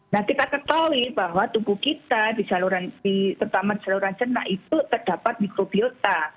nah kita ketahui bahwa tubuh kita di terutama di saluran senak itu terdapat mikrobiota